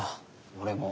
俺も。